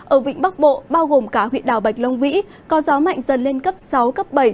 ở vịnh bắc bộ bao gồm cả huyện đảo bạch long vĩ có gió mạnh dần lên cấp sáu cấp bảy